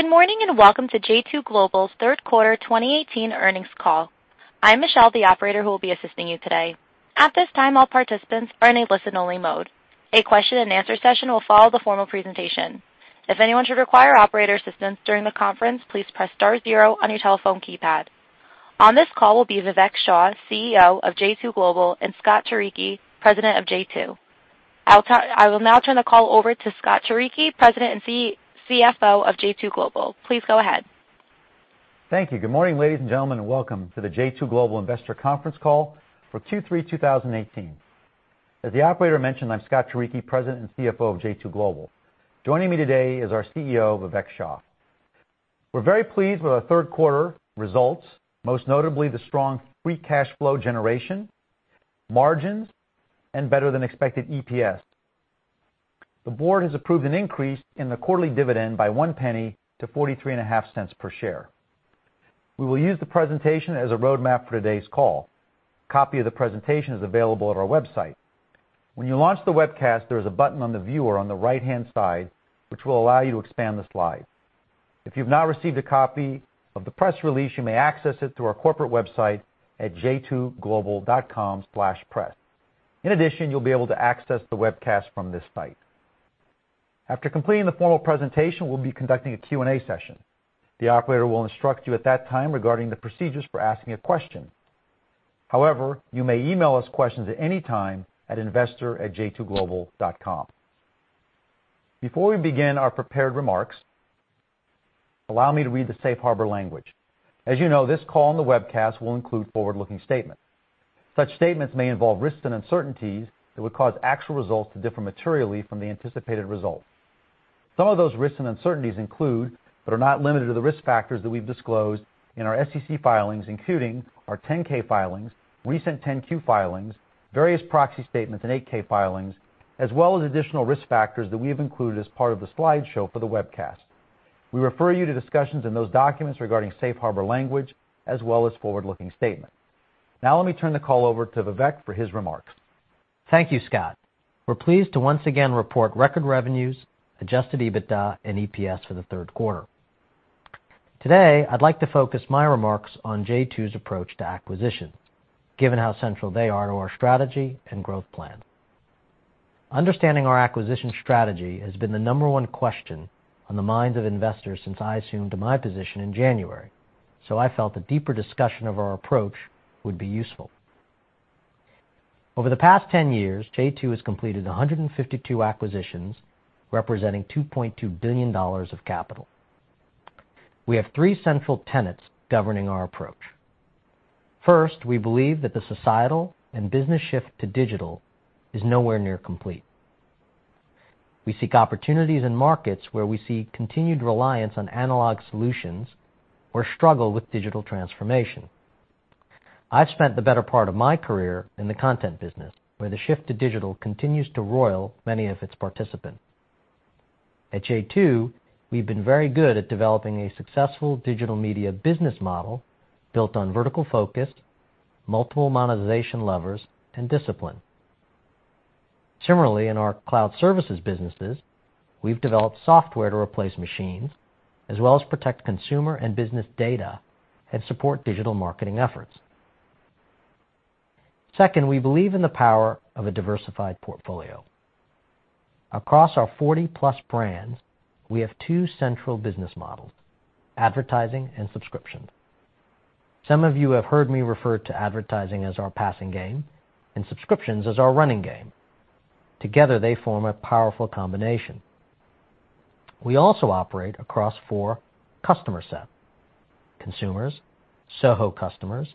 Good morning, welcome to j2 Global's third quarter 2018 earnings call. I'm Michelle, the operator who will be assisting you today. At this time, all participants are in a listen-only mode. A question and answer session will follow the formal presentation. If anyone should require operator assistance during the conference, please press star zero on your telephone keypad. On this call will be Vivek Shah, CEO of j2 Global, and Scott Turicchi, President of j2. I will now turn the call over to Scott Turicchi, President and CFO of j2 Global. Please go ahead. Thank you. Good morning, ladies and gentlemen, welcome to the j2 Global Investor Conference Call for Q3 2018. As the operator mentioned, I'm Scott Turicchi, President and CFO of j2 Global. Joining me today is our CEO, Vivek Shah. We're very pleased with our third quarter results, most notably the strong free cash flow generation, margins, and better than expected EPS. The board has approved an increase in the quarterly dividend by $0.01 to $0.435 per share. We will use the presentation as a roadmap for today's call. Copy of the presentation is available at our website. When you launch the webcast, there is a button on the viewer on the right-hand side, which will allow you to expand the slide. If you've not received a copy of the press release, you may access it through our corporate website at j2global.com/press. You'll be able to access the webcast from this site. After completing the formal presentation, we'll be conducting a Q&A session. The operator will instruct you at that time regarding the procedures for asking a question. However, you may email us questions at any time at investor@j2global.com. Before we begin our prepared remarks, allow me to read the safe harbor language. As you know, this call and the webcast will include forward-looking statements. Such statements may involve risks and uncertainties that would cause actual results to differ materially from the anticipated results. Some of those risks and uncertainties include, but are not limited to the risk factors that we've disclosed in our SEC filings, including our 10-K filings, recent 10-Q filings, various proxy statements and 8-K filings, as well as additional risk factors that we have included as part of the slideshow for the webcast. We refer you to discussions in those documents regarding safe harbor language as well as forward-looking statements. Let me turn the call over to Vivek for his remarks. Thank you, Scott. We're pleased to once again report record revenues, adjusted EBITDA, and EPS for the third quarter. Today, I'd like to focus my remarks on j2's approach to acquisition, given how central they are to our strategy and growth plan. Understanding our acquisition strategy has been the number one question on the minds of investors since I assumed my position in January, so I felt a deeper discussion of our approach would be useful. Over the past 10 years, j2 has completed 152 acquisitions, representing $2.2 billion of capital. We have three central tenets governing our approach. First, we believe that the societal and business shift to digital is nowhere near complete. We seek opportunities in markets where we see continued reliance on analog solutions or struggle with digital transformation. I've spent the better part of my career in the content business, where the shift to digital continues to roil many of its participants. At j2, we've been very good at developing a successful digital media business model built on vertical focus, multiple monetization levers, and discipline. Similarly, in our cloud services businesses, we've developed software to replace machines, as well as protect consumer and business data and support digital marketing efforts. Second, we believe in the power of a diversified portfolio. Across our 40-plus brands, we have two central business models, advertising and subscription. Some of you have heard me refer to advertising as our passing game and subscriptions as our running game. Together, they form a powerful combination. We also operate across four customer sets: consumers, SOHO customers,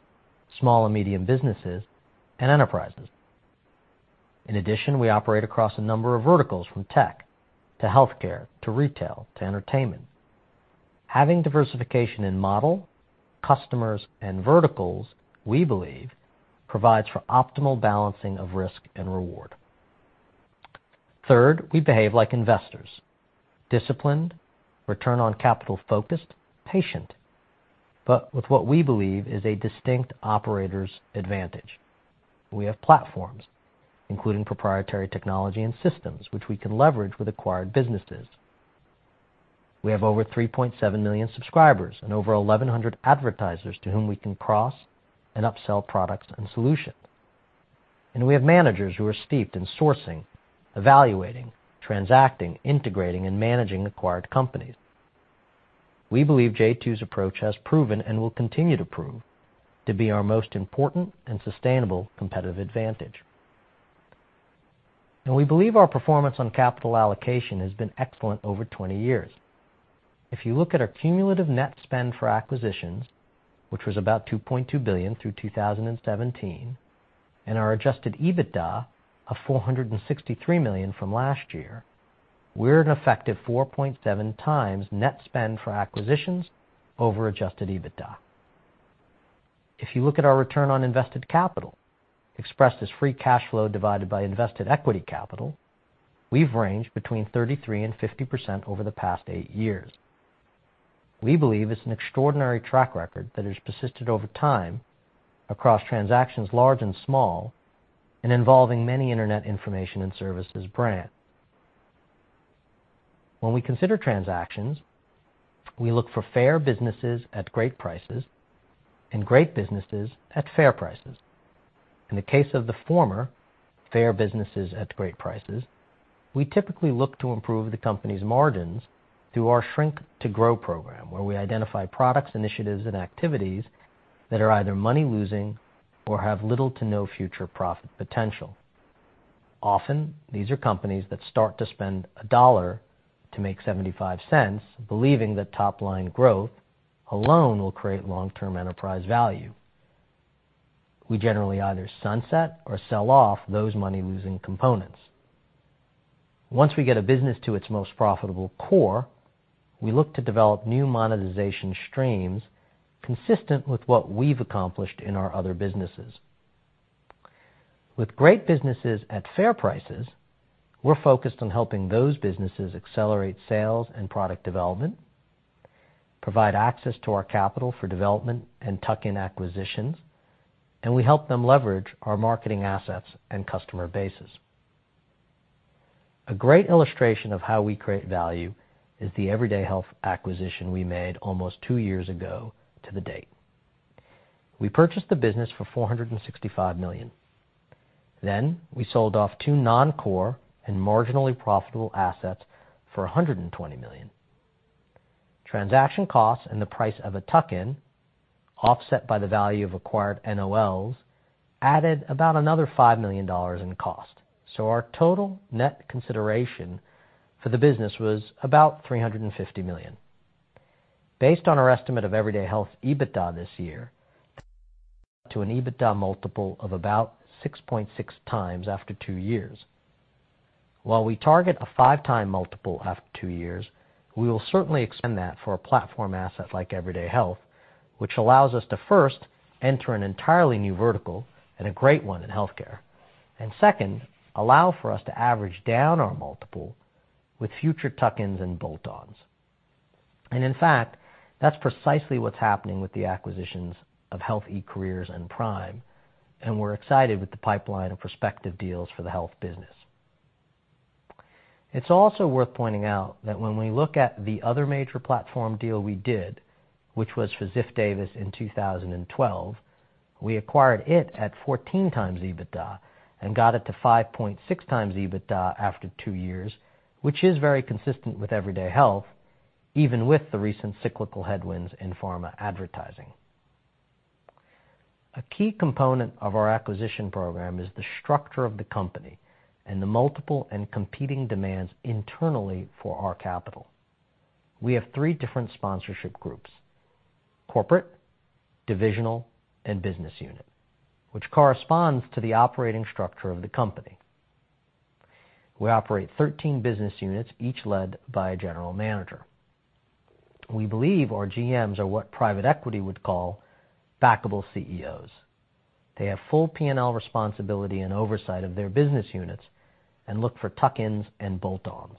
small and medium businesses, and enterprises. In addition, we operate across a number of verticals, from tech to healthcare, to retail, to entertainment. Having diversification in model, customers, and verticals, we believe, provides for optimal balancing of risk and reward. Third, we behave like investors. Disciplined, return on capital-focused, patient, but with what we believe is a distinct operator's advantage. We have platforms, including proprietary technology and systems, which we can leverage with acquired businesses. We have over 3.7 million subscribers and over 1,100 advertisers to whom we can cross and upsell products and solutions. We have managers who are steeped in sourcing, evaluating, transacting, integrating, and managing acquired companies. We believe j2's approach has proven and will continue to prove to be our most important and sustainable competitive advantage. We believe our performance on capital allocation has been excellent over 20 years. If you look at our cumulative net spend for acquisitions, which was about $2.2 billion through 2017, and our adjusted EBITDA of $463 million from last year, we're an effective 4.7 times net spend for acquisitions over adjusted EBITDA. If you look at our return on invested capital, expressed as free cash flow divided by invested equity capital, we've ranged between 33%-50% over the past eight years. We believe it's an extraordinary track record that has persisted over time across transactions large and small and involving many internet information and services brands. When we consider transactions, we look for fair businesses at great prices and great businesses at fair prices. In the case of the former, fair businesses at great prices, we typically look to improve the company's margins through our Shrink to Grow program, where we identify products, initiatives, and activities that are either money-losing or have little to no future profit potential. Often, these are companies that start to spend $1 to make $0.75, believing that top-line growth alone will create long-term enterprise value. We generally either sunset or sell off those money-losing components. Once we get a business to its most profitable core, we look to develop new monetization streams consistent with what we've accomplished in our other businesses. With great businesses at fair prices, we're focused on helping those businesses accelerate sales and product development, provide access to our capital for development and tuck-in acquisitions, and we help them leverage our marketing assets and customer bases. A great illustration of how we create value is the Everyday Health acquisition we made almost 2 years ago to the date. We purchased the business for $465 million. We sold off 2 non-core and marginally profitable assets for $120 million. Transaction costs and the price of a tuck-in offset by the value of acquired NOLs added about another $5 million in cost. Our total net consideration for the business was about $350 million. Based on our estimate of Everyday Health EBITDA this year, to an EBITDA multiple of about 6.6 times after 2 years. While we target a 5-time multiple after 2 years, we will certainly extend that for a platform asset like Everyday Health, which allows us to first enter an entirely new vertical and a great one in healthcare, and second, allow for us to average down our multiple with future tuck-ins and bolt-ons. In fact, that's precisely what's happening with the acquisitions of Health eCareers and PRIME, and we're excited with the pipeline of prospective deals for the health business. It's also worth pointing out that when we look at the other major platform deal we did, which was for Ziff Davis in 2012, we acquired it at 14 times EBITDA and got it to 5.6 times EBITDA after 2 years, which is very consistent with Everyday Health, even with the recent cyclical headwinds in pharma advertising. A key component of our acquisition program is the structure of the company and the multiple and competing demands internally for our capital. We have 3 different sponsorship groups: corporate, divisional, and business unit, which corresponds to the operating structure of the company. We operate 13 business units, each led by a general manager. We believe our GMs are what private equity would call backable CEOs. They have full P&L responsibility and oversight of their business units and look for tuck-ins and bolt-ons.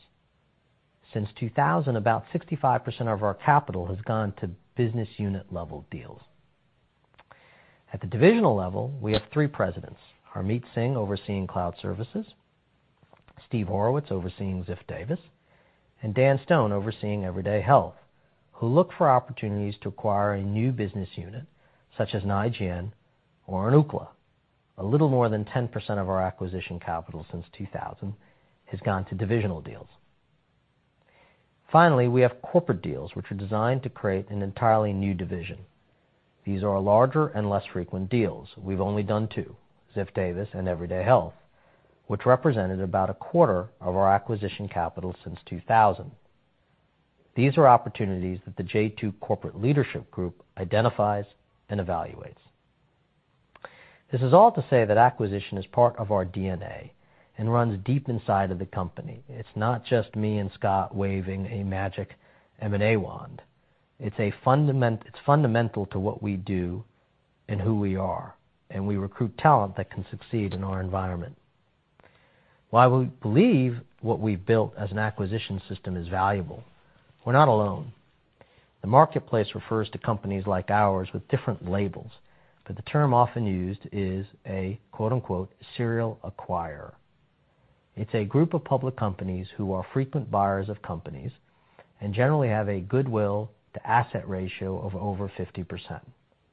Since 2000, about 65% of our capital has gone to business unit-level deals. At the divisional level, we have 3 presidents, Harmeet Singh overseeing Cloud Services, Steve Horowitz overseeing Ziff Davis, and Dan Stone overseeing Everyday Health, who look for opportunities to acquire a new business unit such as an IGN or an Ookla. A little more than 10% of our acquisition capital since 2000 has gone to divisional deals. We have corporate deals, which are designed to create an entirely new division. These are larger and less frequent deals. We've only done 2, Ziff Davis and Everyday Health, which represented about a quarter of our acquisition capital since 2000. These are opportunities that the j2 corporate leadership group identifies and evaluates. This is all to say that acquisition is part of our DNA and runs deep inside of the company. It's not just me and Scott waving a magic M&A wand. It's fundamental to what we do and who we are, and we recruit talent that can succeed in our environment. While we believe what we've built as an acquisition system is valuable, we're not alone. The marketplace refers to companies like ours with different labels, but the term often used is a "serial acquirer." It's a group of public companies who are frequent buyers of companies and generally have a goodwill-to-asset ratio of over 50%.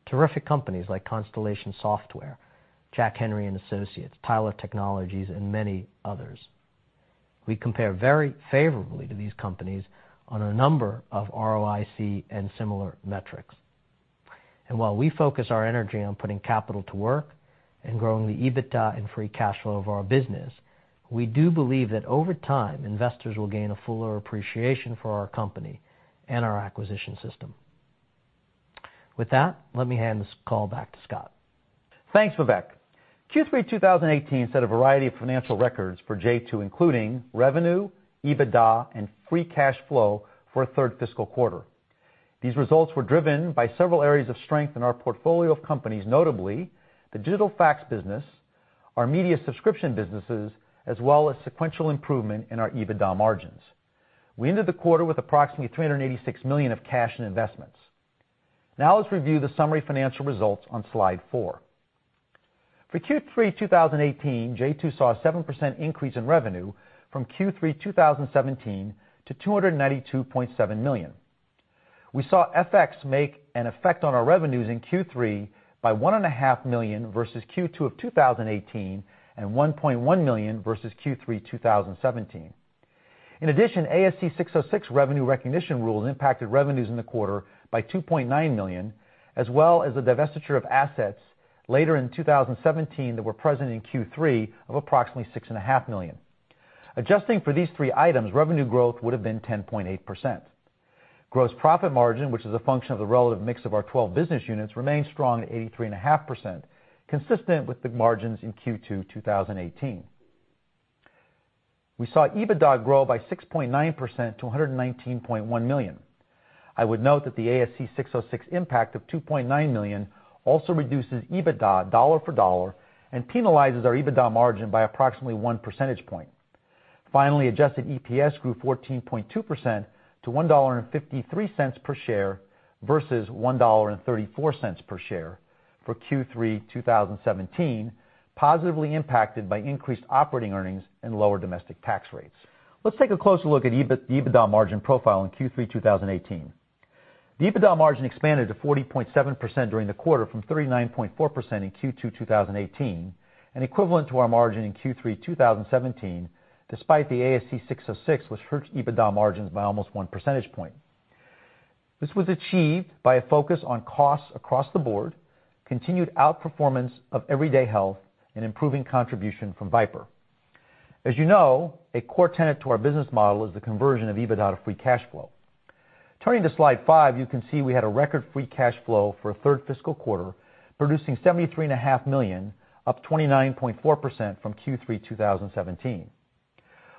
Terrific companies like Constellation Software, Jack Henry & Associates, Tyler Technologies, and many others. We compare very favorably to these companies on a number of ROIC and similar metrics. While we focus our energy on putting capital to work and growing the EBITDA and free cash flow of our business, we do believe that over time, investors will gain a fuller appreciation for our company and our acquisition system. With that, let me hand this call back to Scott. Thanks, Vivek. Q3 2018 set a variety of financial records for j2, including revenue, EBITDA, and free cash flow for a third fiscal quarter. These results were driven by several areas of strength in our portfolio of companies, notably the digital fax business. Our media subscription businesses, as well as sequential improvement in our EBITDA margins. We ended the quarter with approximately $386 million of cash and investments. Now let's review the summary financial results on Slide 4. For Q3 2018, j2 saw a 7% increase in revenue from Q3 2017 to $292.7 million. We saw FX make an effect on our revenues in Q3 by $1.5 million versus Q2 of 2018, and $1.1 million versus Q3 2017. In addition, ASC 606 revenue recognition rules impacted revenues in the quarter by $2.9 million, as well as the divestiture of assets later in 2017 that were present in Q3 of approximately $6.5 million. Adjusting for these three items, revenue growth would've been 10.8%. Gross profit margin, which is a function of the relative mix of our 12 business units, remains strong at 83.5%, consistent with the margins in Q2 2018. We saw EBITDA grow by 6.9% to $119.1 million. I would note that the ASC 606 impact of $2.9 million also reduces EBITDA dollar for dollar and penalizes our EBITDA margin by approximately one percentage point. Finally, adjusted EPS grew 14.2% to $1.53 per share versus $1.34 per share for Q3 2017, positively impacted by increased operating earnings and lower domestic tax rates. Let's take a closer look at the EBITDA margin profile in Q3 2018. The EBITDA margin expanded to 40.7% during the quarter from 39.4% in Q2 2018 and equivalent to our margin in Q3 2017, despite the ASC 606, which hurts EBITDA margins by almost one percentage point. This was achieved by a focus on costs across the board, continued outperformance of Everyday Health, and improving contribution from VIPRE. As you know, a core tenet to our business model is the conversion of EBITDA to free cash flow. Turning to Slide 5, you can see we had a record free cash flow for a third fiscal quarter, producing $73.5 million, up 29.4% from Q3 2017.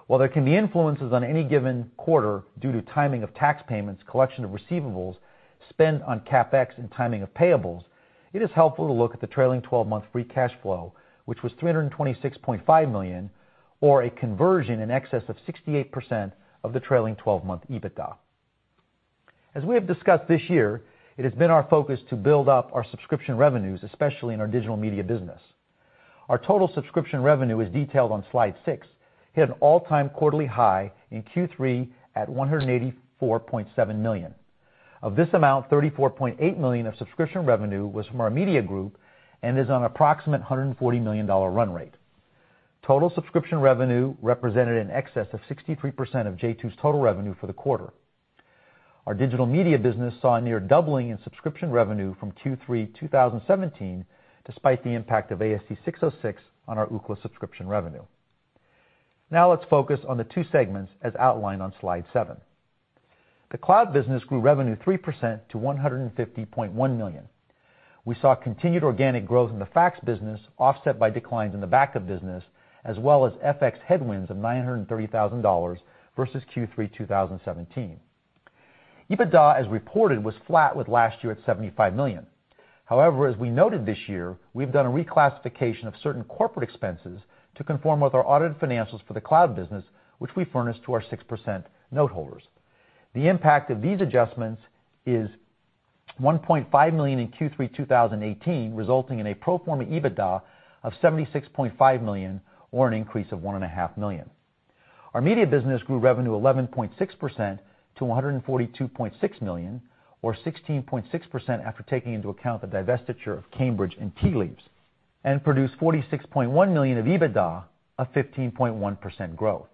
While there can be influences on any given quarter due to timing of tax payments, collection of receivables, spend on CapEx, and timing of payables, it is helpful to look at the trailing 12-month free cash flow, which was $326.5 million, or a conversion in excess of 68% of the trailing 12-month EBITDA. As we have discussed this year, it has been our focus to build up our subscription revenues, especially in our digital media business. Our total subscription revenue is detailed on Slide 6, hit an all-time quarterly high in Q3 at $184.7 million. Of this amount, $34.8 million of subscription revenue was from our media group and is on approximate $140 million run rate. Total subscription revenue represented in excess of 63% of j2's total revenue for the quarter. Our digital media business saw a near doubling in subscription revenue from Q3 2017, despite the impact of ASC 606 on our Ookla subscription revenue. Now let's focus on the two segments as outlined on Slide 7. The cloud business grew revenue 3% to $150.1 million. We saw continued organic growth in the Fax business offset by declines in the backup business, as well as FX headwinds of $930,000 versus Q3 2017. EBITDA, as reported, was flat with last year at $75 million. However, as we noted this year, we've done a reclassification of certain corporate expenses to conform with our audited financials for the cloud business, which we furnish to our 6% note holders. The impact of these adjustments is $1.5 million in Q3 2018, resulting in a pro forma EBITDA of $76.5 million, or an increase of $1.5 million. Our media business grew revenue 11.6% to $142.6 million, or 16.6% after taking into account the divestiture of Cambridge and Tea Leaves Health LLC, and produced $46.1 million of EBITDA of 15.1% growth.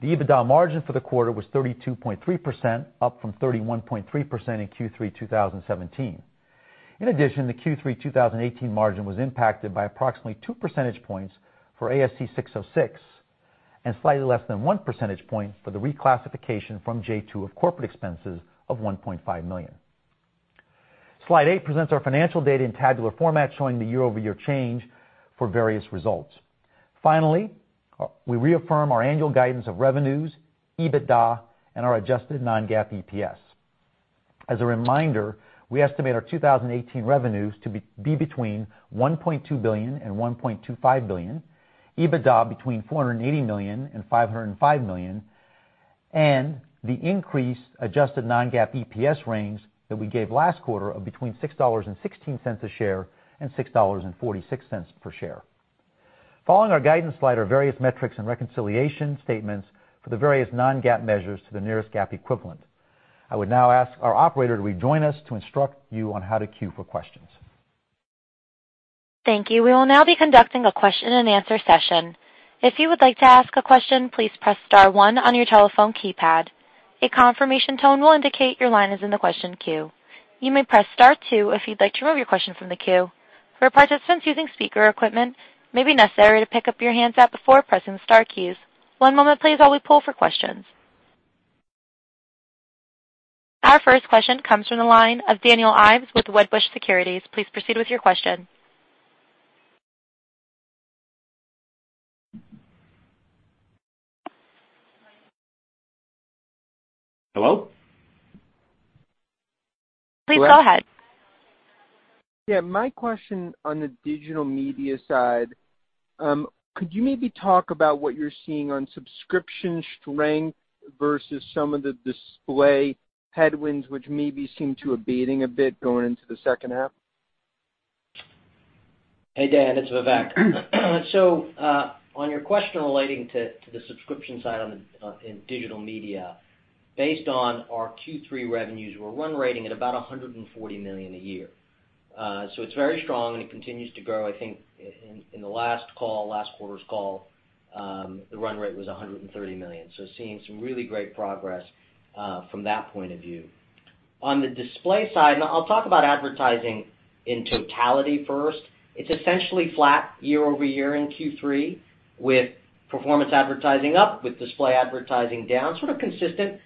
The EBITDA margin for the quarter was 32.3%, up from 31.3% in Q3 2017. In addition, the Q3 2018 margin was impacted by approximately two percentage points for ASC 606 and slightly less than one percentage point for the reclassification from j2 of corporate expenses of $1.5 million. Slide 8 presents our financial data in tabular format, showing the year-over-year change for various results. Finally, we reaffirm our annual guidance of revenues, EBITDA, and our adjusted non-GAAP EPS. As a reminder, we estimate our 2018 revenues to be between $1.2 billion and $1.25 billion, EBITDA between $480 million and $505 million, and the increased adjusted non-GAAP EPS range that we gave last quarter of between $6.16 a share and $6.46 per share. Following our guidance slide are various metrics and reconciliation statements for the various non-GAAP measures to the nearest GAAP equivalent. I would now ask our operator to rejoin us to instruct you on how to queue for questions. Thank you. We will now be conducting a question-and-answer session. If you would like to ask a question, please press star one on your telephone keypad. A confirmation tone will indicate your line is in the question queue. You may press star two if you'd like to remove your question from the queue. For participants using speaker equipment, it may be necessary to pick up your handset before pressing the star keys. One moment please while we poll for questions. Our first question comes from the line of Daniel Ives with Wedbush Securities. Please proceed with your question. Hello? Please go ahead. Yeah. My question on the digital media side, could you maybe talk about what you're seeing on subscription strength versus some of the display headwinds, which maybe seem to abating a bit going into the second half? Hey, Dan, it's Vivek. On your question relating to the subscription side in digital media, based on our Q3 revenues, we're run rating at about $140 million a year. It's very strong, and it continues to grow. I think in the last call, last quarter's call, the run rate was $130 million. Seeing some really great progress from that point of view. On the display side, and I'll talk about advertising in totality first, it's essentially flat year-over-year in Q3 with performance advertising up, with display advertising down, sort of consistent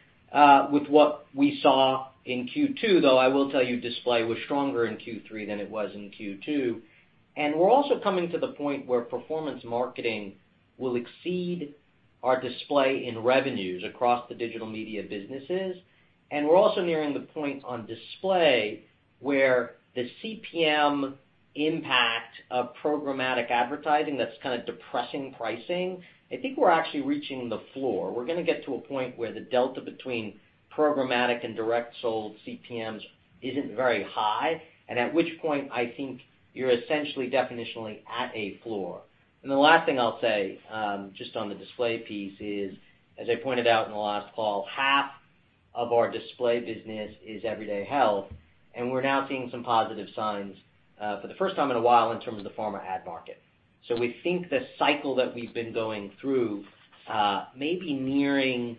with what we saw in Q2, though I will tell you display was stronger in Q3 than it was in Q2. We're also coming to the point where performance marketing will exceed our display in revenues across the digital media businesses. We're also nearing the point on display where the CPM impact of programmatic advertising that's kind of depressing pricing, I think we're actually reaching the floor. We're going to get to a point where the delta between programmatic and direct sold CPMs isn't very high, and at which point I think you're essentially definitionally at a floor. The last thing I'll say, just on the display piece is, as I pointed out in the last call, half of our display business is Everyday Health, and we're now seeing some positive signs for the first time in a while in terms of the pharma ad market. We think the cycle that we've been going through may be nearing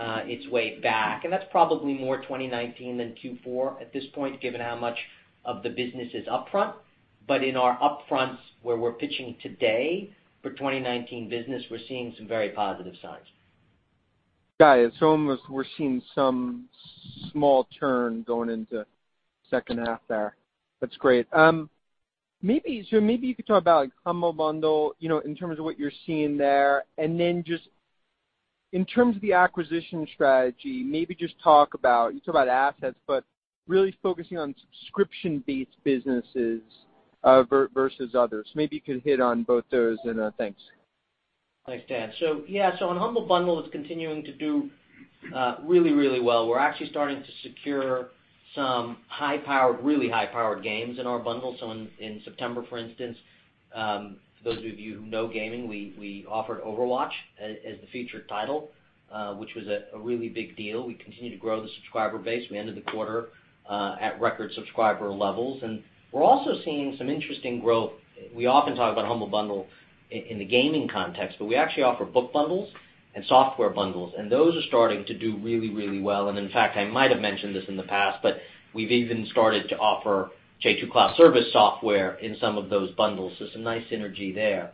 its way back, and that's probably more 2019 than Q4 at this point, given how much of the business is upfront. In our upfronts where we're pitching today for 2019 business, we're seeing some very positive signs. Got it. Almost we're seeing some small turn going into second half there. That's great. Maybe you could talk about Humble Bundle in terms of what you're seeing there, and then just in terms of the acquisition strategy, maybe just You talk about assets, but really focusing on subscription-based businesses versus others. Maybe you could hit on both those and thanks. Thanks, Dan. On Humble Bundle, it's continuing to do really, really well. We're actually starting to secure some high-powered, really high-powered games in our bundle. In September, for instance, for those of you who know gaming, we offered Overwatch as the featured title, which was a really big deal. We continue to grow the subscriber base. We ended the quarter at record subscriber levels. We're also seeing some interesting growth. We often talk about Humble Bundle in the gaming context, but we actually offer book bundles and software bundles, and those are starting to do really, really well. In fact, I might have mentioned this in the past, but we've even started to offer j2 Cloud service software in some of those bundles. Some nice synergy there.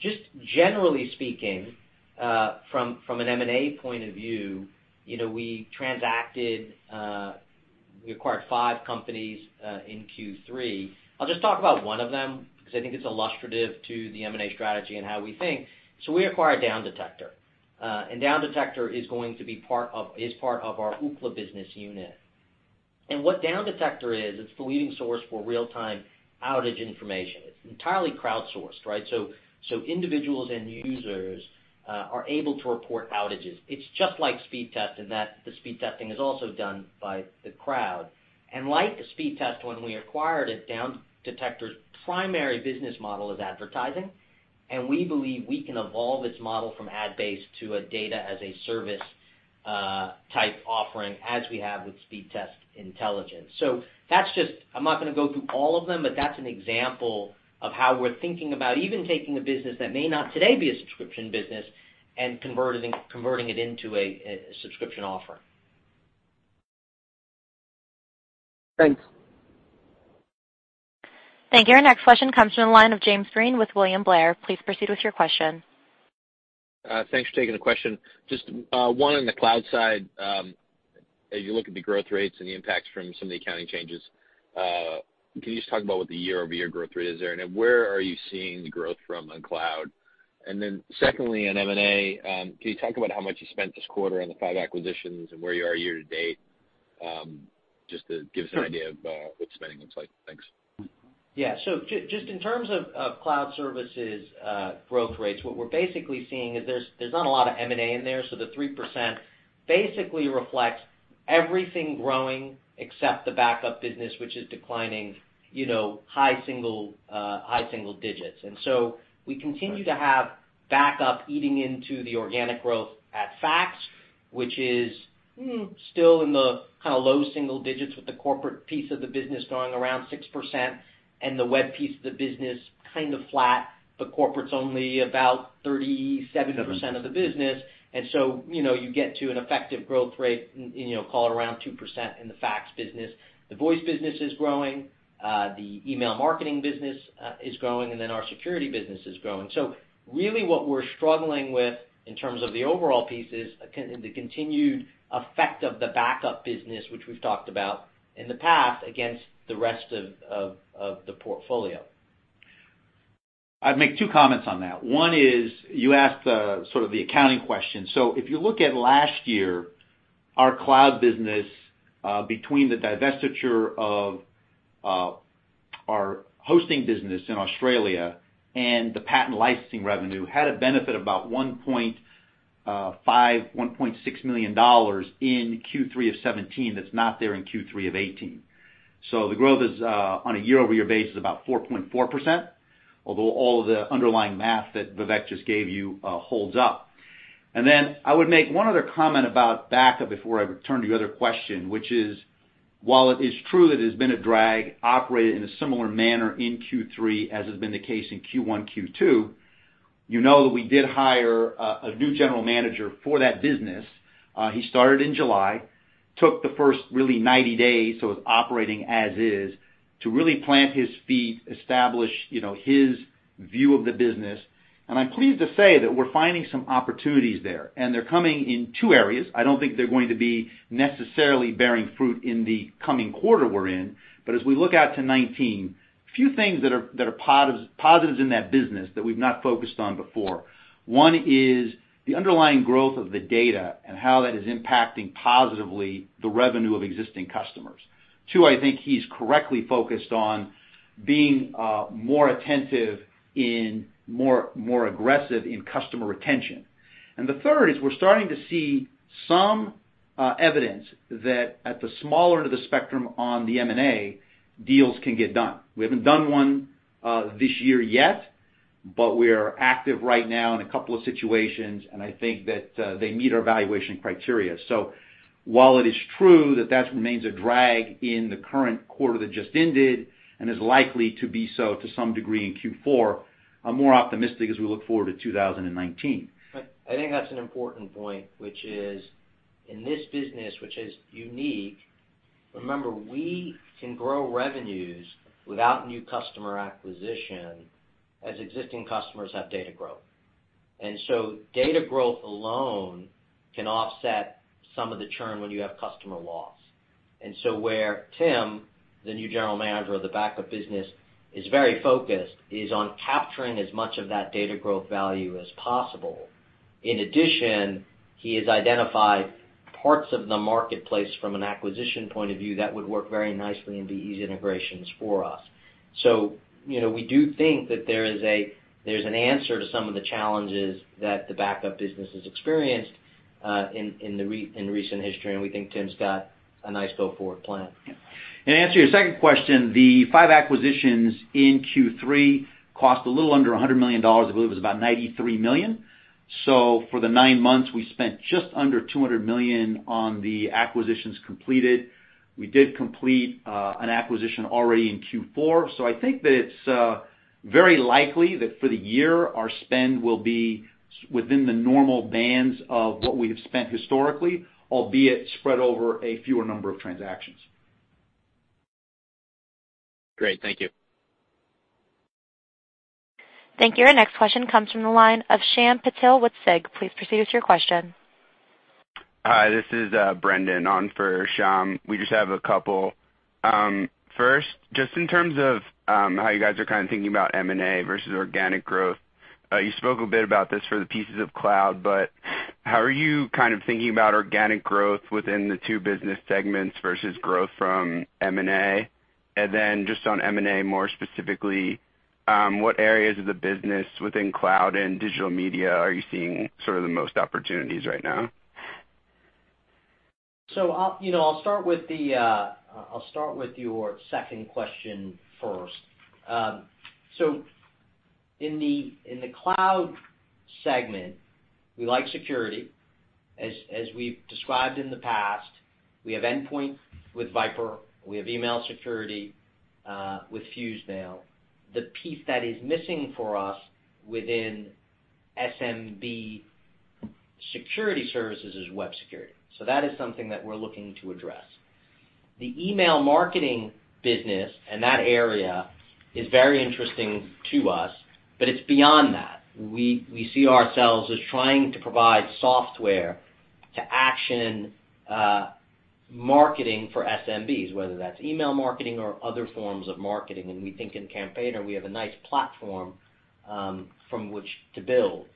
Just generally speaking, from an M&A point of view, we transacted, we acquired five companies in Q3. I'll just talk about one of them because I think it's illustrative to the M&A strategy and how we think. We acquired Downdetector, and Downdetector is part of our Ookla business unit. What Downdetector is, it's the leading source for real-time outage information. It's entirely crowdsourced, right? Individuals and users are able to report outages. It's just like Speedtest in that the speed testing is also done by the crowd. Like Speedtest, when we acquired it, Downdetector's primary business model is advertising, and we believe we can evolve its model from ad-based to a Data-as-a-Service-type offering, as we have with Speedtest Intelligence. I'm not going to go through all of them, but that's an example of how we're thinking about even taking a business that may not today be a subscription business and converting it into a subscription offer. Thanks. Thank you. Our next question comes from the line of James Breen with William Blair. Please proceed with your question. Thanks for taking the question. Just one on the cloud side. As you look at the growth rates and the impacts from some of the accounting changes, can you just talk about what the year-over-year growth rate is there, where are you seeing the growth from on cloud? Secondly, on M&A, can you talk about how much you spent this quarter on the five acquisitions and where you are year to date? Just to give us an idea of what spending looks like. Thanks. Just in terms of cloud services growth rates, what we're basically seeing is there's not a lot of M&A in there, the 3% basically reflects everything growing except the backup business, which is declining high single digits. We continue to have backup eating into the organic growth at Fax, which is still in the kind of low single digits with the corporate piece of the business growing around 6% and the web piece of the business kind of flat, but corporate's only about 37% of the business. You get to an effective growth rate, call it around 2% in the Fax business. The voice business is growing, the email marketing business is growing, our security business is growing. Really what we're struggling with in terms of the overall piece is the continued effect of the backup business, which we've talked about in the past, against the rest of the portfolio. I'd make 2 comments on that. One is, you asked the accounting question. If you look at last year, our cloud business, between the divestiture of our hosting business in Australia and the patent licensing revenue, had a benefit about $1.5 million, $1.6 million in Q3 of 2017 that's not there in Q3 of 2018. The growth on a year-over-year basis is about 4.4%, although all of the underlying math that Vivek just gave you holds up. I would make one other comment about backup before I turn to your other question, which is, while it is true that it has been a drag, operated in a similar manner in Q3 as has been the case in Q1, Q2, you know that we did hire a new General Manager for that business. He started in July, took the first really 90 days, it's operating as is, to really plant his feet, establish his view of the business. I'm pleased to say that we're finding some opportunities there, and they're coming in two areas. I don't think they're going to be necessarily bearing fruit in the coming quarter we're in. As we look out to 2019, a few things that are positives in that business that we've not focused on before. One is the underlying growth of the data and how that is impacting positively the revenue of existing customers. Two, I think he's correctly focused on being more attentive and more aggressive in customer retention. The third is we're starting to see some evidence that at the smaller end of the spectrum on the M&A, deals can get done. We haven't done one this year yet, but we are active right now in a couple of situations, and I think that they meet our valuation criteria. While it is true that that remains a drag in the current quarter that just ended and is likely to be so to some degree in Q4, I'm more optimistic as we look forward to 2019. I think that's an important point, which is in this business, which is unique, remember, we can grow revenues without new customer acquisition as existing customers have data growth. Data growth alone can offset some of the churn when you have customer loss. Where Tim, the new general manager of the backup business, is very focused is on capturing as much of that data growth value as possible. In addition, he has identified parts of the marketplace from an acquisition point of view that would work very nicely and be easy integrations for us. We do think that there's an answer to some of the challenges that the backup business has experienced in recent history, and we think Tim's got a nice go-forward plan. Yeah. To answer your second question, the five acquisitions in Q3 cost a little under $100 million. I believe it was about $93 million. For the nine months, we spent just under $200 million on the acquisitions completed. We did complete an acquisition already in Q4. I think that it's very likely that for the year, our spend will be within the normal bands of what we have spent historically, albeit spread over a fewer number of transactions. Great. Thank you. Thank you. Our next question comes from the line of Shyam Patil with SIG. Please proceed with your question. Hi, this is Brendan on for Shyam. We just have a couple. First, just in terms of how you guys are kind of thinking about M&A versus organic growth. You spoke a bit about this for the pieces of cloud, but how are you kind of thinking about organic growth within the two business segments versus growth from M&A? Then just on M&A, more specifically, what areas of the business within cloud and digital media are you seeing the most opportunities right now? I'll start with your second question first. In the cloud segment, we like security. As we've described in the past, we have endpoint with VIPRE. We have email security with FuseMail. The piece that is missing for us within SMB security services is web security. That is something that we're looking to address. The email marketing business and that area is very interesting to us, but it's beyond that. We see ourselves as trying to provide software to action marketing for SMBs, whether that's email marketing or other forms of marketing, and we think in Campaigner, we have a nice platform from which to build.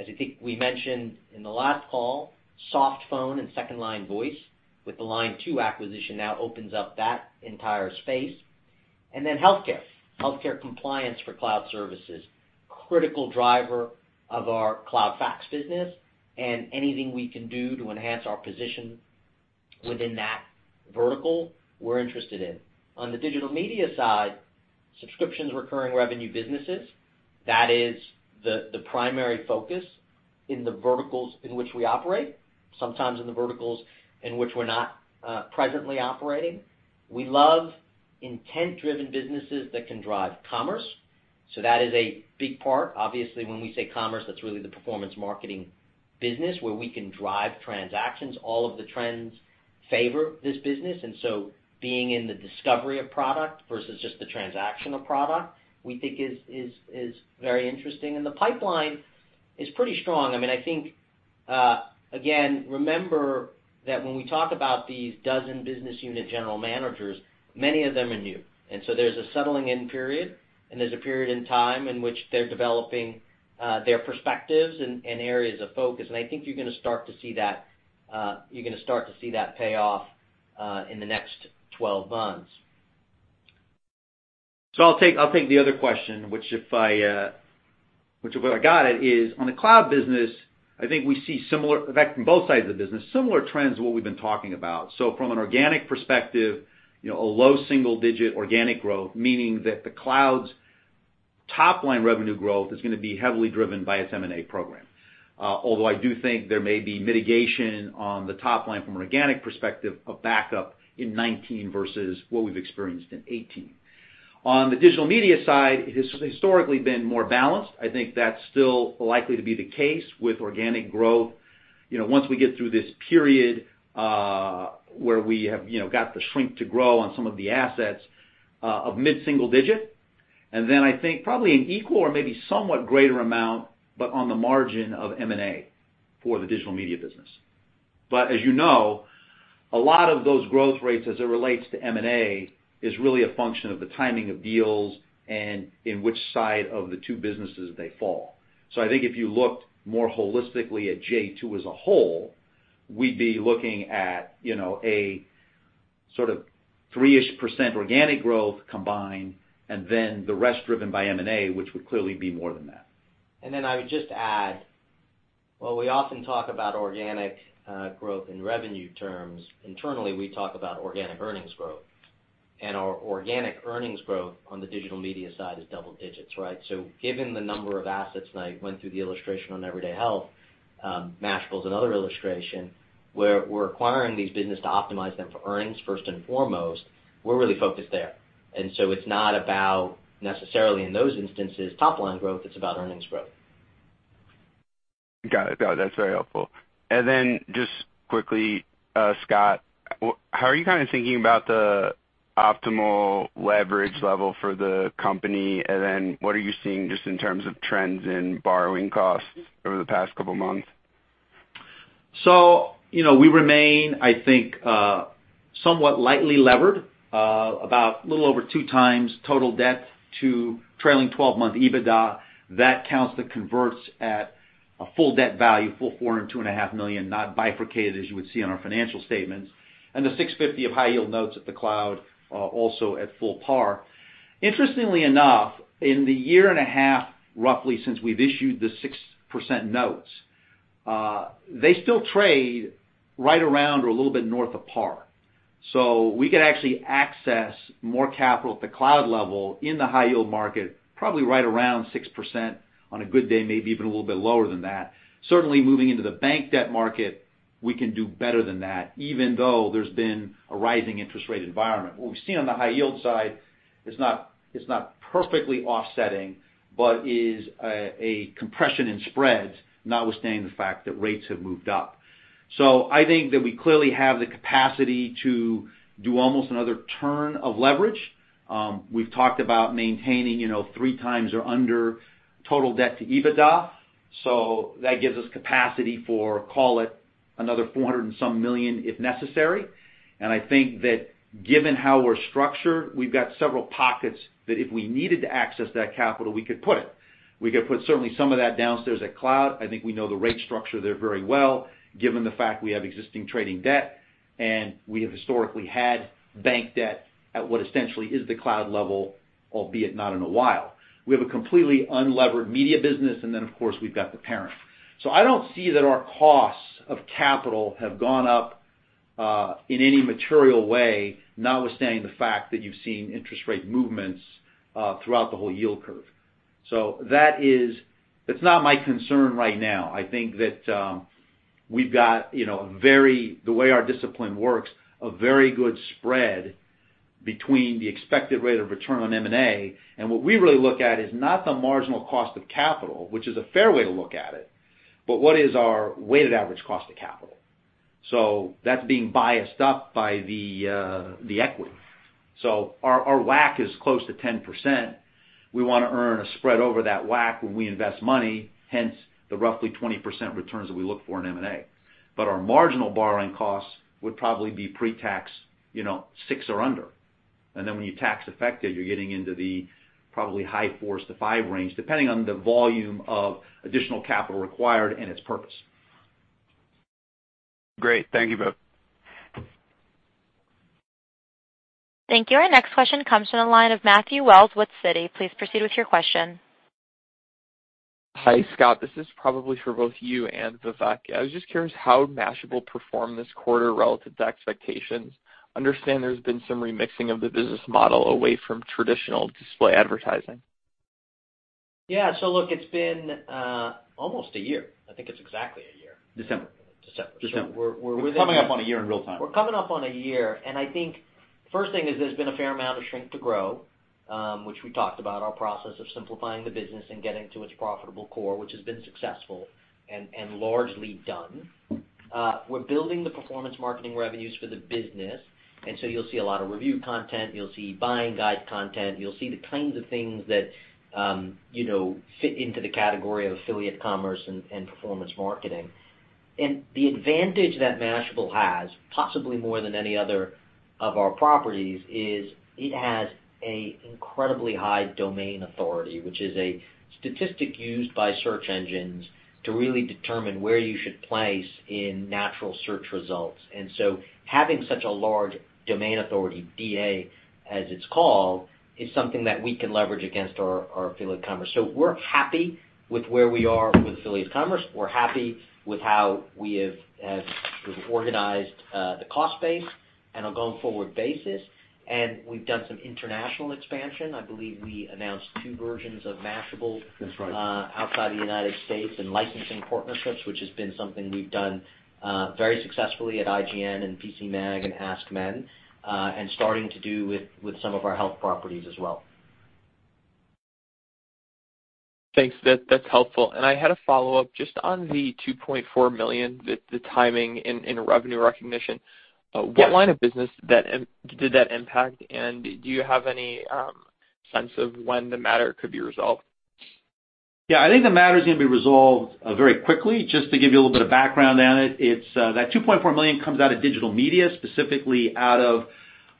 As I think we mentioned in the last call, soft phone and second-line voice with the Line2 acquisition now opens up that entire space. Then healthcare. Healthcare compliance for cloud services, critical driver of our cloud fax business, and anything we can do to enhance our position within that vertical, we're interested in. On the digital media side, subscriptions recurring revenue businesses. That is the primary focus in the verticals in which we operate, sometimes in the verticals in which we're not presently operating. We love intent-driven businesses that can drive commerce. That is a big part. Obviously, when we say commerce, that's really the performance marketing business where we can drive transactions. All of the trends favor this business, and being in the discovery of product versus just the transaction of product, we think is very interesting. And the pipeline is pretty strong. I mean, I think-Again, remember that when we talk about these dozen business unit general managers, many of them are new. There's a settling in period, and there's a period in time in which they're developing their perspectives and areas of focus. I think you're going to start to see that payoff in the next 12 months. I'll take the other question, which if I got it, is on the cloud business. I think we see similar, in fact, from both sides of the business, similar trends to what we've been talking about. From an organic perspective, a low single-digit organic growth, meaning that the cloud's top-line revenue growth is going to be heavily driven by its M&A program. Although I do think there may be mitigation on the top line from an organic perspective, a backup in 2019 versus what we've experienced in 2018. On the digital media side, it has historically been more balanced. I think that's still likely to be the case with organic growth. Once we get through this period where we have got the Shrink to Grow on some of the assets of mid-single digit, I think probably an equal or maybe somewhat greater amount, but on the margin of M&A for the digital media business. As you know, a lot of those growth rates as it relates to M&A is really a function of the timing of deals and in which side of the two businesses they fall. I think if you looked more holistically at j2 as a whole, we'd be looking at a sort of three-ish % organic growth combined, the rest driven by M&A, which would clearly be more than that. I would just add, while we often talk about organic growth in revenue terms, internally, we talk about organic earnings growth. Our organic earnings growth on the digital media side is double digits, right? Given the number of assets, I went through the illustration on Everyday Health, Mashable's another illustration, where we're acquiring these business to optimize them for earnings first and foremost, we're really focused there. It's not about necessarily in those instances, top-line growth, it's about earnings growth. Got it. That's very helpful. Just quickly, Scott, how are you kind of thinking about the optimal leverage level for the company? What are you seeing just in terms of trends in borrowing costs over the past couple of months? We remain, I think, somewhat lightly levered, about a little over 2 times total debt to trailing 12-month EBITDA. That counts the converts at a full debt value, full $402.5 million, not bifurcated as you would see on our financial statements, and the $650 of high-yield notes at the cloud, also at full par. Interestingly enough, in the year and a half, roughly, since we've issued the 6% notes, they still trade right around or a little bit north of par. We could actually access more capital at the cloud level in the high-yield market, probably right around 6% on a good day, maybe even a little bit lower than that. Certainly moving into the bank debt market, we can do better than that, even though there's been a rising interest rate environment. What we've seen on the high-yield side is not perfectly offsetting, but is a compression in spreads, notwithstanding the fact that rates have moved up. I think that we clearly have the capacity to do almost another turn of leverage. We've talked about maintaining 3 times or under total debt to EBITDA, so that gives us capacity for, call it, another $400 million, if necessary. I think that given how we're structured, we've got several pockets that if we needed to access that capital, we could put it. We could put certainly some of that downstairs at cloud. I think we know the rate structure there very well, given the fact we have existing trading debt, and we have historically had bank debt at what essentially is the cloud level, albeit not in a while. We have a completely unlevered media business, of course, we've got the parent. I don't see that our costs of capital have gone up in any material way, notwithstanding the fact that you've seen interest rate movements throughout the whole yield curve. That's not my concern right now. I think that we've got, the way our discipline works, a very good spread between the expected rate of return on M&A. What we really look at is not the marginal cost of capital, which is a fair way to look at it, but what is our Weighted Average Cost of Capital? That's being biased up by the equity. Our WACC is close to 10%. We want to earn a spread over that WACC when we invest money, hence the roughly 20% returns that we look for in M&A. Our marginal borrowing costs would probably be pre-tax, six or under. Then when you tax affect it, you're getting into the probably high fours to five range, depending on the volume of additional capital required and its purpose. Great. Thank you, both. Thank you. Our next question comes from the line of Matthew Wells with Citi. Please proceed with your question. Hi, Scott. This is probably for both you and Vivek. I was just curious how Mashable performed this quarter relative to expectations. I understand there's been some remixing of the business model away from traditional display advertising. Yeah. Look, it's been almost a year. I think it's exactly a year. December. December. December. We're coming up on a year in real time. We're coming up on a year, I think first thing is there's been a fair amount of Shrink to Grow, which we talked about our process of simplifying the business and getting to its profitable core, which has been successful and largely done. We're building the performance marketing revenues for the business, you'll see a lot of review content, you'll see buying guide content, you'll see the kinds of things that fit into the category of affiliate commerce and performance marketing. The advantage that Mashable has, possibly more than any other of our properties, is it has a incredibly high domain authority, which is a statistic used by search engines to really determine where you should place in natural search results. So having such a large domain authority, DA, as it's called, is something that we can leverage against our affiliate commerce. We're happy with where we are with affiliates commerce. We're happy with how we have organized the cost base and on a going-forward basis, we've done some international expansion. I believe we announced two versions of Mashable- That's right outside the U.S. and licensing partnerships, which has been something we've done very successfully at IGN and PCMag and AskMen, and starting to do with some of our health properties as well. Thanks. That's helpful. I had a follow-up just on the $2.4 million, the timing in revenue recognition. Yeah. What line of business did that impact? Do you have any sense of when the matter could be resolved? Yeah, I think the matter's going to be resolved very quickly. Just to give you a little bit of background on it, that $2.4 million comes out of digital media, specifically out of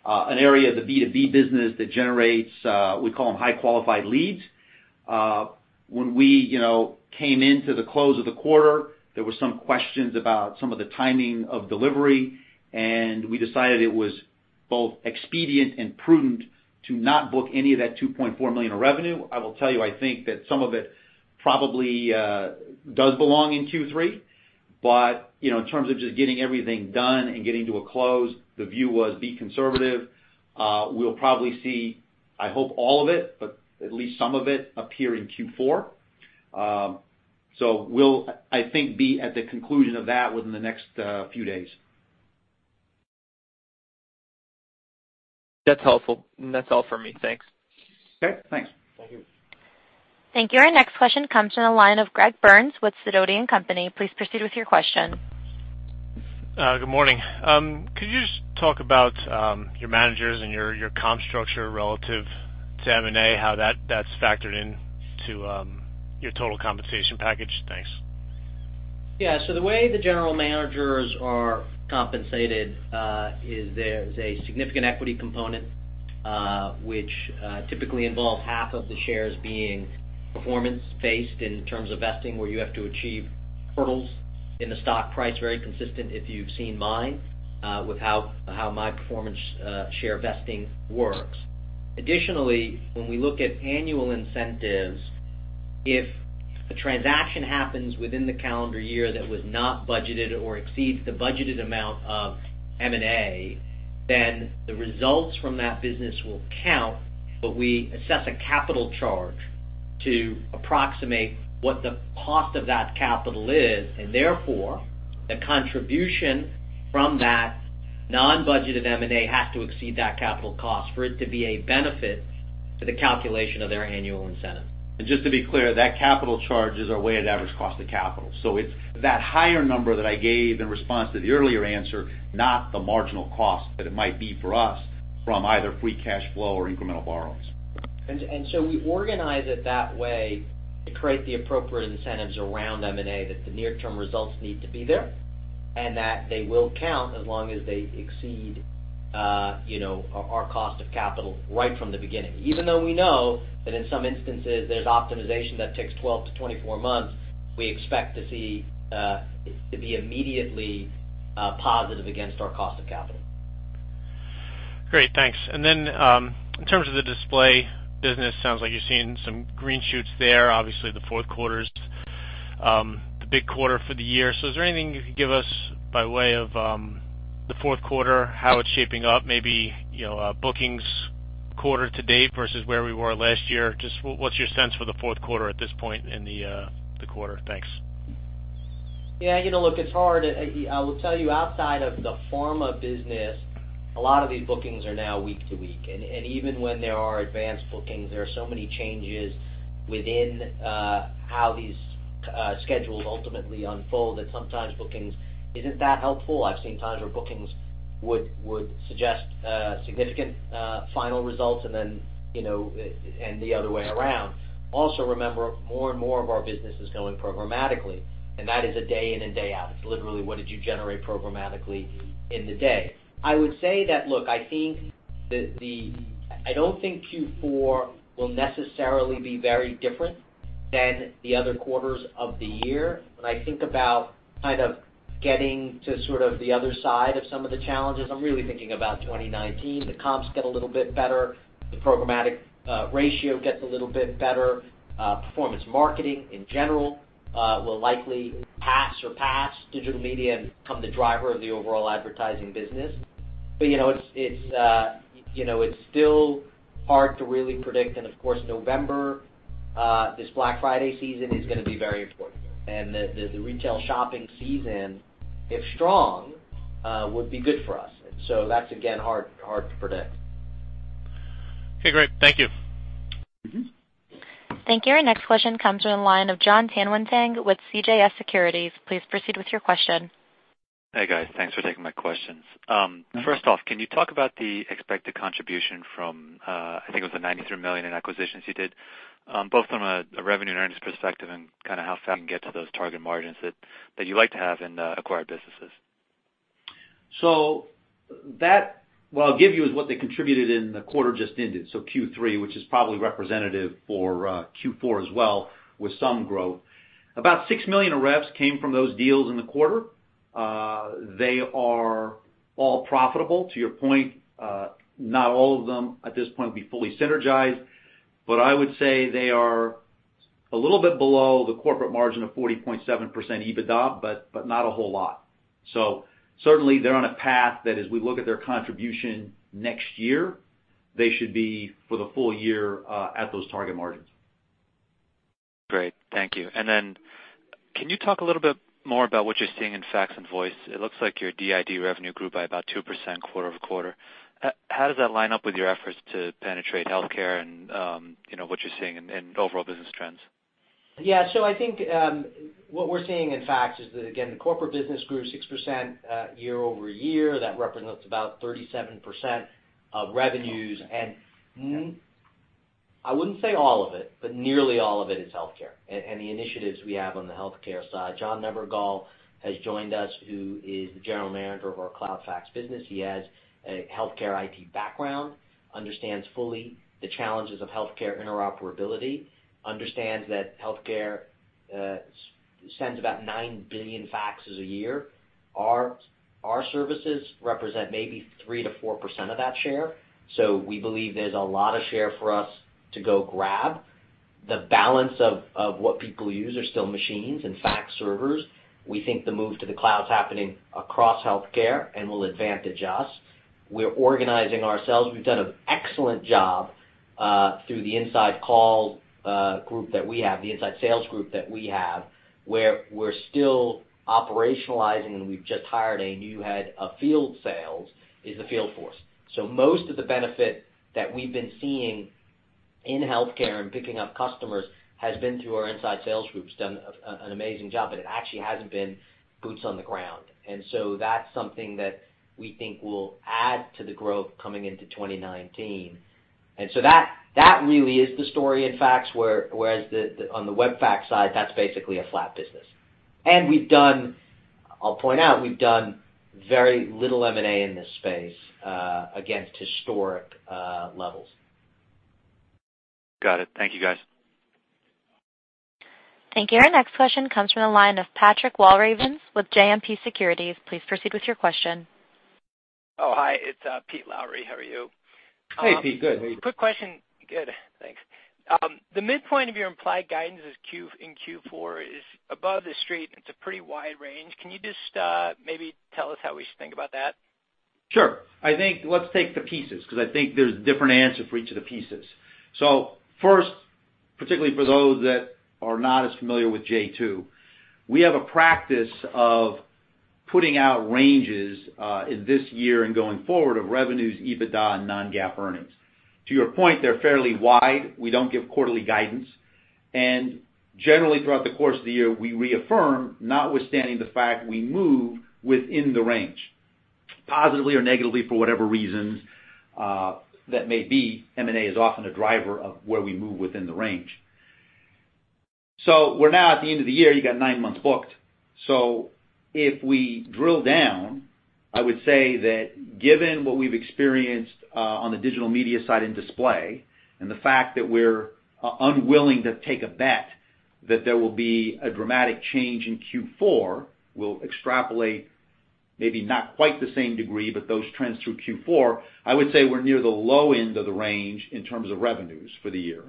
an area of the B2B business that generates, we call them high-qualified leads. When we came into the close of the quarter, there were some questions about some of the timing of delivery, and we decided it was both expedient and prudent to not book any of that $2.4 million of revenue. I will tell you, I think that some of it probably does belong in Q3. In terms of just getting everything done and getting to a close, the view was be conservative. We'll probably see, I hope all of it, but at least some of it appear in Q4. We'll, I think, be at the conclusion of that within the next few days. That's helpful. That's all for me. Thanks. Okay. Thanks. Thank you. Thank you. Our next question comes from the line of Greg Burns with Sidoti & Company. Please proceed with your question. Good morning. Could you just talk about your managers and your comp structure relative to M&A, how that's factored into your total compensation package? Thanks. The way the general managers are compensated is there is a significant equity component, which typically involves half of the shares being performance-based in terms of vesting, where you have to achieve hurdles in the stock price, very consistent if you've seen mine, with how my performance share vesting works. Additionally, when we look at annual incentives, if a transaction happens within the calendar year that was not budgeted or exceeds the budgeted amount of M&A, then the results from that business will count, but we assess a capital charge to approximate what the cost of that capital is. Therefore, the contribution from that non-budgeted M&A has to exceed that capital cost for it to be a benefit to the calculation of their annual incentive. Just to be clear, that capital charge is our weighted average cost of capital. It's that higher number that I gave in response to the earlier answer, not the marginal cost that it might be for us from either free cash flow or incremental borrowings. We organize it that way to create the appropriate incentives around M&A that the near-term results need to be there, and that they will count as long as they exceed our cost of capital right from the beginning. Even though we know that in some instances, there's optimization that takes 12 to 24 months, we expect to see it to be immediately positive against our cost of capital. Great, thanks. In terms of the display business, sounds like you're seeing some green shoots there. Obviously, the fourth quarter's the big quarter for the year. Is there anything you could give us by way of the fourth quarter, how it's shaping up, maybe bookings quarter to date versus where we were last year? Just what's your sense for the fourth quarter at this point in the quarter? Thanks. Yeah, look, it's hard. I will tell you, outside of the pharma business, a lot of these bookings are now week to week. Even when there are advanced bookings, there are so many changes within how these schedules ultimately unfold that sometimes bookings isn't that helpful. I've seen times where bookings would suggest significant final results and the other way around. Remember, more and more of our business is going programmatically, and that is a day in and day out. It's literally, what did you generate programmatically in the day? I would say that, look, I don't think Q4 will necessarily be very different than the other quarters of the year. When I think about kind of getting to sort of the other side of some of the challenges, I'm really thinking about 2019. The comps get a little bit better. The programmatic ratio gets a little bit better. Performance marketing in general will likely pass or pass digital media and become the driver of the overall advertising business. It's still hard to really predict. Of course, November, this Black Friday season, is going to be very important. The retail shopping season, if strong, would be good for us. That's, again, hard to predict. Okay, great. Thank you. Thank you. Our next question comes from the line of Jonathan Tanwanteng with CJS Securities. Please proceed with your question. Hey, guys. Thanks for taking my questions. Can you talk about the expected contribution from, I think it was the $93 million in acquisitions you did, both from a revenue and earnings perspective and kind of how fast you can get to those target margins that you like to have in acquired businesses? What I'll give you is what they contributed in the quarter just ended, Q3, which is probably representative for Q4 as well, with some growth. About $6 million of revs came from those deals in the quarter. They are all profitable. To your point, not all of them at this point will be fully synergized, but I would say they are a little bit below the corporate margin of 40.7% EBITDA, but not a whole lot. Certainly, they're on a path that as we look at their contribution next year, they should be for the full year, at those target margins. Great. Thank you. Can you talk a little bit more about what you're seeing in fax and voice? It looks like your DID revenue grew by about 2% quarter-over-quarter. How does that line up with your efforts to penetrate healthcare and, what you're seeing in overall business trends? I think, what we're seeing in Fax is that, again, the corporate business grew 6% year-over-year. That represents about 37% of revenues. I wouldn't say all of it, but nearly all of it is healthcare and the initiatives we have on the healthcare side. John Nebergall has joined us, who is the general manager of our cloud fax business. He has a healthcare IT background, understands fully the challenges of healthcare interoperability, understands that healthcare sends about 9 billion faxes a year. Our services represent maybe 3%-4% of that share. We believe there's a lot of share for us to go grab. The balance of what people use are still machines and fax servers. We think the move to the cloud is happening across healthcare and will advantage us. We're organizing ourselves. We've done an excellent job, through the inside sales group that we have, where we're still operationalizing, and we've just hired a new head of field sales, is the field force. Most of the benefit that we've been seeing in healthcare and picking up customers has been through our inside sales group, who's done an amazing job, but it actually hasn't been boots on the ground. That's something that we think will add to the growth coming into 2019. That really is the story in Fax, whereas on the web fax side, that's basically a flat business. I'll point out, we've done very little M&A in this space against historic levels. Got it. Thank you, guys. Thank you. Our next question comes from the line of Patrick Walravens with JMP Securities. Please proceed with your question. Oh, hi. It's Pete Lowry. How are you? Hey, Pete. Good. How are you? Quick question. Good, thanks. The midpoint of your implied guidance in Q4 is above the street, and it's a pretty wide range. Can you just maybe tell us how we should think about that? Sure. I think let's take the pieces, because I think there's a different answer for each of the pieces. First, particularly for those that are not as familiar with J2, we have a practice of putting out ranges, in this year and going forward, of revenues, EBITDA, and non-GAAP earnings. To your point, they're fairly wide. We don't give quarterly guidance, generally throughout the course of the year, we reaffirm, notwithstanding the fact we move within the range, positively or negatively, for whatever reasons that may be. M&A is often a driver of where we move within the range. We're now at the end of the year. You got nine months booked. If we drill down, I would say that given what we've experienced on the digital media side in display and the fact that we're unwilling to take a bet that there will be a dramatic change in Q4, we will extrapolate maybe not quite the same degree, but those trends through Q4, I would say we are near the low end of the range in terms of revenues for the year.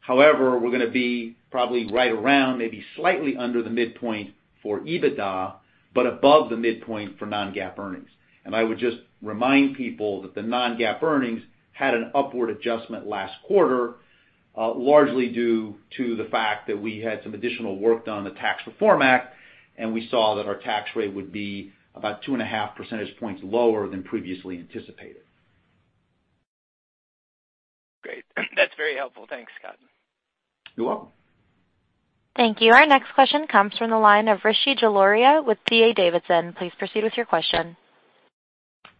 However, we are going to be probably right around, maybe slightly under the midpoint for EBITDA, but above the midpoint for non-GAAP earnings. I would just remind people that the non-GAAP earnings had an upward adjustment last quarter, largely due to the fact that we had some additional work done on the Tax Reform Act, and we saw that our tax rate would be about two and a half percentage points lower than previously anticipated. Great. That is very helpful. Thanks, Scott. You are welcome. Thank you. Our next question comes from the line of Rishi Jaluria with D.A. Davidson. Please proceed with your question.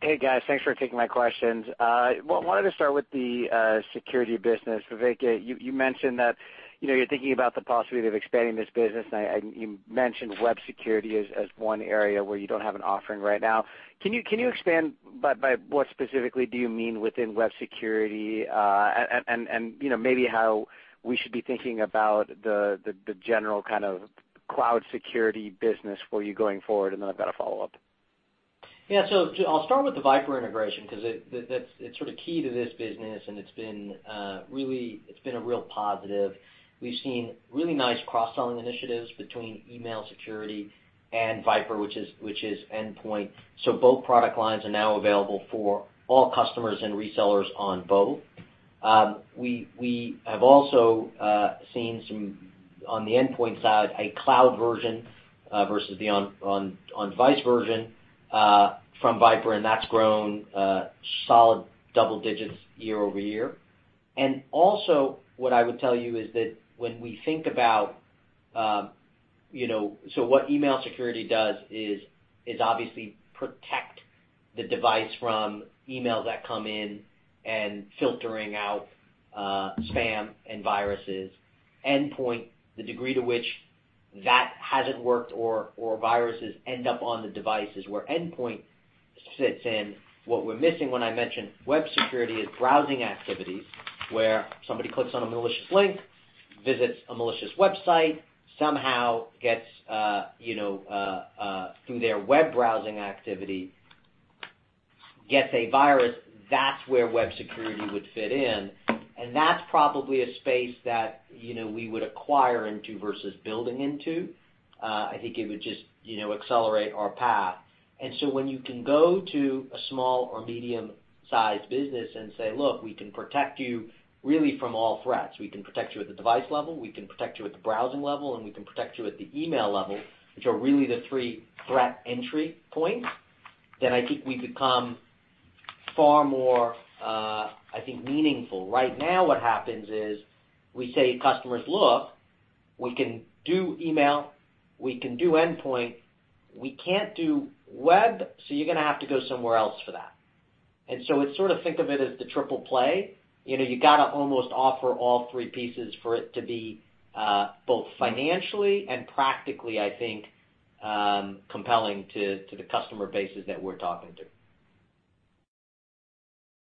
Hey, guys. Thanks for taking my questions. I wanted to start with the security business. Vivek, you mentioned that you're thinking about the possibility of expanding this business, and you mentioned web security as one area where you don't have an offering right now. Can you expand by what specifically do you mean within web security, and maybe how we should be thinking about the general kind of cloud security business for you going forward? I've got a follow-up. Yeah. I'll start with the VIPRE integration, because it's sort of key to this business, and it's been a real positive. We've seen really nice cross-selling initiatives between email security and VIPRE, which is endpoint. Both product lines are now available for all customers and resellers on both. We have also seen some. On the endpoint side, a cloud version versus the on-device version from VIPRE, and that's grown solid double digits year-over-year. What I would tell you is that when we think about-- What email security does is obviously protect the device from emails that come in and filtering out spam and viruses. Endpoint, the degree to which that hasn't worked or viruses end up on the device is where endpoint sits in. What we're missing when I mention web security is browsing activities where somebody clicks on a malicious link, visits a malicious website, somehow, through their web browsing activity, gets a virus. That's where web security would fit in. That's probably a space that we would acquire into versus building into. I think it would just accelerate our path. When you can go to a small or medium-sized business and say, "Look, we can protect you really from all threats. We can protect you at the device level, we can protect you at the browsing level, and we can protect you at the email level," which are really the three threat entry points, then I think we become far more, I think, meaningful. Right now what happens is we say to customers, "Look, we can do email, we can do endpoint, we can't do web. You're going to have to go somewhere else for that." Think of it as the triple play. You got to almost offer all three pieces for it to be both financially and practically, I think, compelling to the customer bases that we're talking to.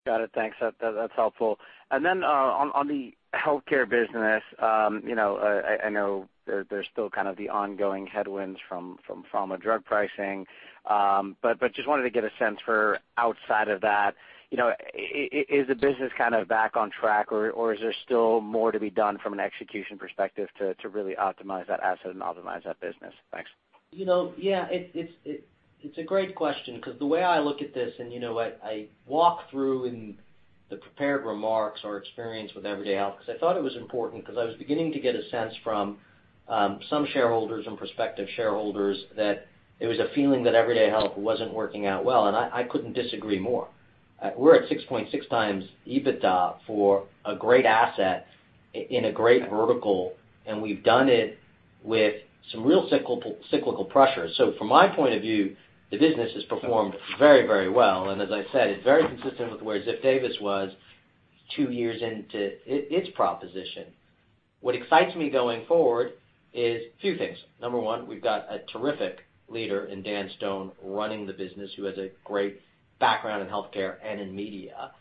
Got it. Thanks. That's helpful. Then on the healthcare business, I know there's still kind of the ongoing headwinds from pharma drug pricing, but just wanted to get a sense for outside of that, is the business kind of back on track, or is there still more to be done from an execution perspective to really optimize that asset and optimize that business? Thanks. Yeah. It's a great question because the way I look at this, I walk through in the prepared remarks our experience with Everyday Health because I thought it was important, because I was beginning to get a sense from some shareholders and prospective shareholders that there was a feeling that Everyday Health wasn't working out well, I couldn't disagree more. We're at 6.6 times EBITDA for a great asset in a great vertical, we've done it with some real cyclical pressure. From my point of view, the business has performed very well. As I said, it's very consistent with where Ziff Davis was two years into its proposition. What excites me going forward is a few things. Number one, we've got a terrific leader in Dan Stone running the business, who has a great background in healthcare and in media.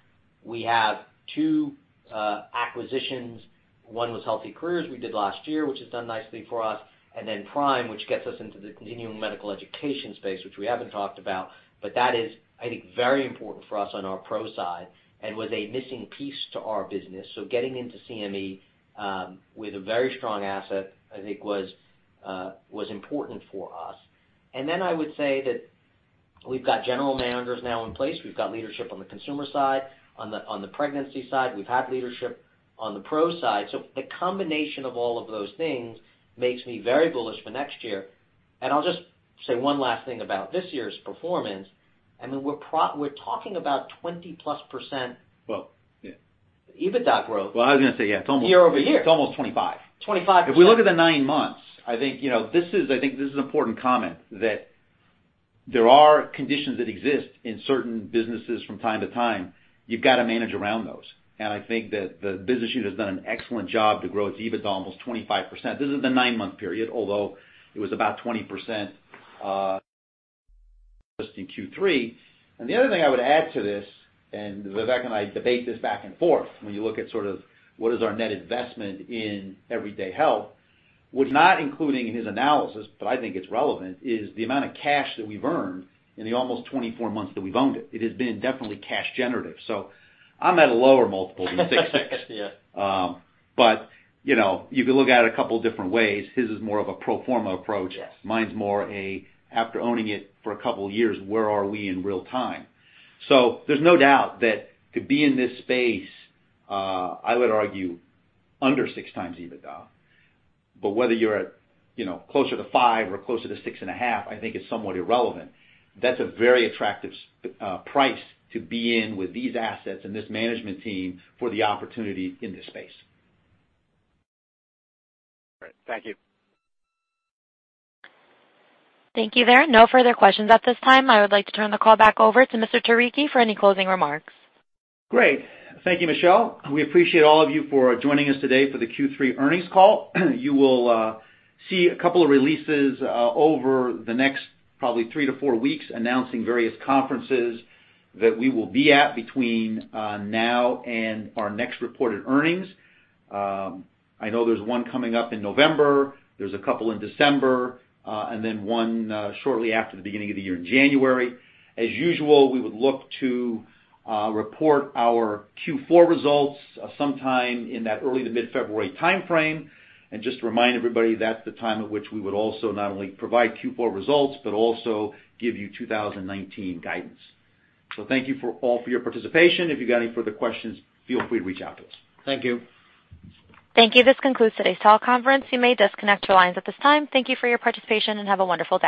We have two acquisitions. One was Health eCareers we did last year, which has done nicely for us, then PRIME, which gets us into the continuing medical education space, which we haven't talked about. That is, I think, very important for us on our pro side and was a missing piece to our business. Getting into CME with a very strong asset, I think was important for us. Then I would say that we've got general managers now in place. We've got leadership on the consumer side, on the pregnancy side. We've had leadership on the pro side. The combination of all of those things makes me very bullish for next year. I'll just say one last thing about this year's performance, we're talking about 20+% - Well, yeah EBITDA growth Well, I was going to say, yeah, it's almost year-over-year It's almost 25. 25%. If we look at the nine months, I think this is an important comment, that there are conditions that exist in certain businesses from time to time. You've got to manage around those. I think that the business unit has done an excellent job to grow its EBITDA almost 25%. This is the nine-month period, although it was about 20% just in Q3. The other thing I would add to this, and Vivek and I debate this back and forth, when you look at sort of what is our net investment in Everyday Health, was not including in his analysis, but I think it's relevant, is the amount of cash that we've earned in the almost 24 months that we've owned it. It has been definitely cash generative. I'm at a lower multiple than 6.6. Yeah. You can look at it a couple of different ways. His is more of a pro forma approach. Yes. Mine's more a after owning it for a couple of years, where are we in real time? There's no doubt that to be in this space, I would argue under 6x EBITDA. Whether you're closer to five or closer to 6.5, I think is somewhat irrelevant. That's a very attractive price to be in with these assets and this management team for the opportunity in this space. Great. Thank you. Thank you there. No further questions at this time. I would like to turn the call back over to Mr. Turicchi for any closing remarks. Great. Thank you, Michelle. We appreciate all of you for joining us today for the Q3 earnings call. You will see a couple of releases over the next probably three to four weeks announcing various conferences that we will be at between now and our next reported earnings. I know there's one coming up in November. There's a couple in December, then one shortly after the beginning of the year in January. As usual, we would look to report our Q4 results sometime in that early to mid-February timeframe. Just to remind everybody, that's the time at which we would also not only provide Q4 results but also give you 2019 guidance. Thank you all for your participation. If you've got any further questions, feel free to reach out to us. Thank you. Thank you. This concludes today's call conference. You may disconnect your lines at this time. Thank you for your participation, and have a wonderful day.